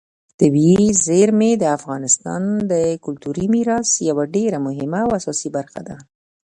طبیعي زیرمې د افغانستان د کلتوري میراث یوه ډېره مهمه او اساسي برخه ده.